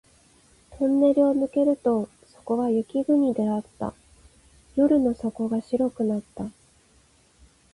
トンネルを抜けるとそこは雪国であった。夜の底が白くなった